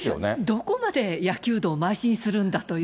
どこまで野球道をまい進するんだという。